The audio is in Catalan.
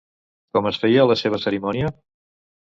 Com es feia la seva cerimònia?